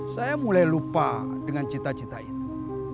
saya mulai lupa dengan cita cita itu